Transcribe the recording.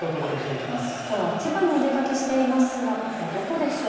きょうは千葉にお出かけしていますが、ここはどこでしょう。